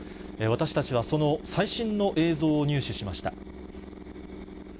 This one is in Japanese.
私たちはその最新の映像を入手しました。